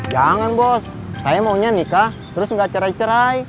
jangan bos saya maunya nikah terus nggak cerai cerai